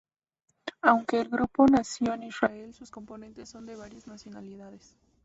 Aunque el grupo nació en Israel sus componentes son de varias nacionalidades.